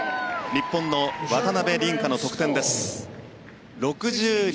日本の渡辺倫果の得点です。